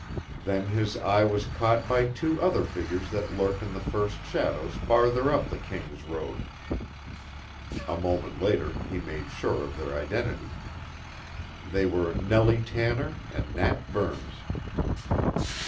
Then his eye was caught by two other figures that lurked in the first shadows farther up the King's Road. A moment later he made sure of their identity. They were Nellie Tanner and Nat Burns.